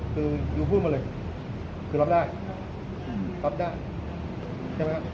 คือยูพูดมาเลยคือรับได้รับได้ใช่ไหมครับ